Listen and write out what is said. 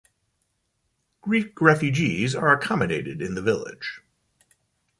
Greek refugees are accommodated in the village.